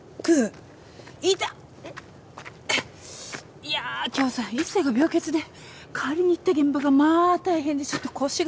いやあ今日さ一星が病欠で代わりに行った現場がまあ大変でちょっと腰が。